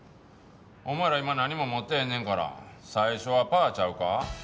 お前ら今何も持ってへんねんから最初はパーちゃうか？